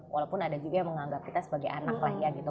walaupun ada juga yang menganggap kita sebagai anak lah ya gitu